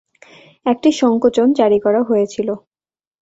একটি সঙ্কোচন জারি করা হয়েছিল।